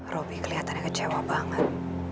robby kelihatannya kecewa banget